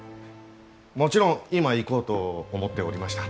もちろん今行こうと思っておりました。